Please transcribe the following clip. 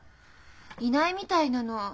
いないみたいなの。